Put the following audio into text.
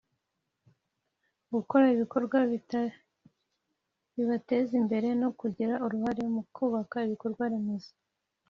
gukora ibikorwa bibateza imbere no kugira uruhare mu kubaka ibikorwaremezo